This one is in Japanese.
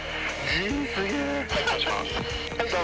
Ｇすげえ。